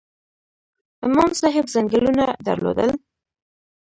امام صاحب ځنګلونه درلودل؟